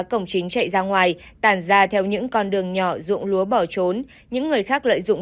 cổng chính chạy ra ngoài tàn ra theo những con đường nhỏ rụng lúa bỏ trốn những người khác lợi dụng